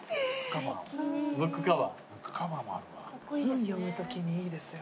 本読むときにいいですよ。